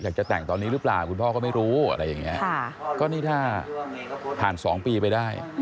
ก็นี่ถ้าขึ้นพาหาสองปีไปได้